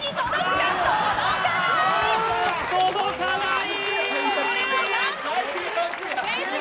届かない。